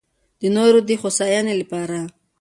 د نورو دې هوساينۍ لپاره